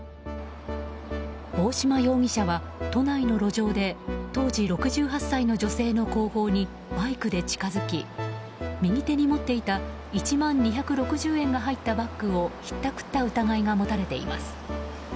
大島容疑者は、都内の路上で当時６８歳の女性の後方にバイクで近付き右手に持っていた１万２６０円が入ったバッグをひったくった疑いが持たれています。